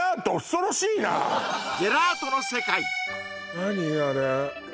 何あれ？